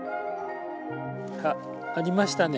あっありましたね。